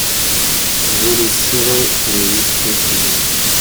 Je les cirais et les lustrais souvent.